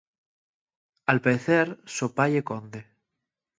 Al paecer so pá ye conde.